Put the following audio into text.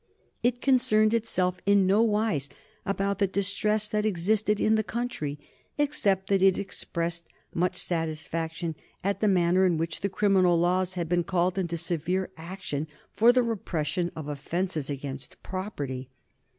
It concerned itself in no wise about the distress that existed in the country, except that it expressed much satisfaction at the manner in which the criminal laws had been called into severe action for the repression of offences against property.